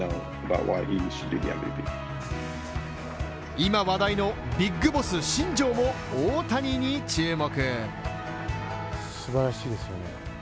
今話題のビッグボス新庄も大谷に注目。